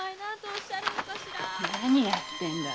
何やってんだい